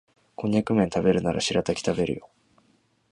コンニャクめん食べるならシラタキ食べるよ